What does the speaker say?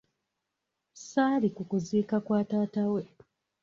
"Ssaali ku kuziika kwa taata we.